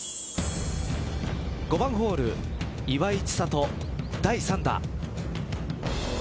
５番ホール岩井千怜第３打。